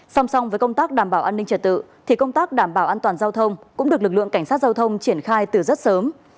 song song với công tác đảm bảo an ninh trật tự thì công tác đảm bảo an toàn giao thông cũng được lực lượng cảnh sát giao thông triển khai từ rất sớm